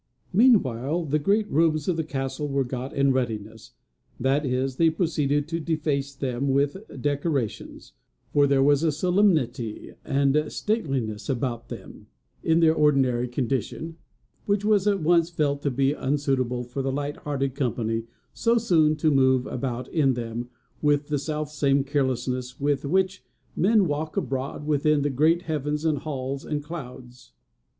Meanwhile the great rooms of the castle were got in readiness that is, they proceeded to deface them with decorations; for there was a solemnity and stateliness about them in their ordinary condition, which was at once felt to be unsuitable for the light hearted company so soon to move about in them with the self same carelessness with which men walk abroad within the great heavens and hills and clouds.